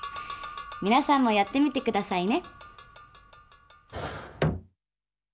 皆さんもやってみて下さいね。